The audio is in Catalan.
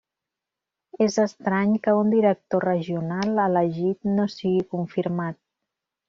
És estrany que un director regional elegit no sigui confirmat.